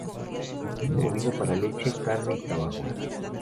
Comprende bovino para leche, carne y trabajo.